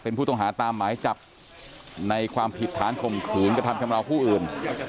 เป็นผู้ต้องหาตามหมายจับในความผิดฐานข่มขืนกระทำชำราวผู้อื่น